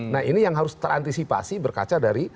nah ini yang harus terantisipasi berkaca dari